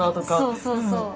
そうそうそう。